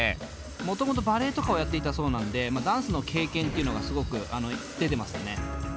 もともとバレエとかをやっていたそうなのでダンスの経験っていうのがすごく出てますね。